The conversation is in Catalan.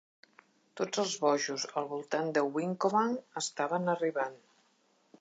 Tots els bojos al voltant de Wincobank estaven arribant.